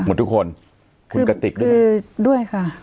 หมดทุกคนคุณกะติกด้วย